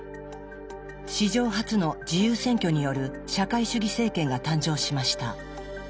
史上初の自由選挙による社会主義政権が誕生しました。